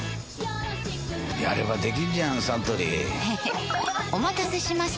やればできんじゃんサントリーへへっお待たせしました！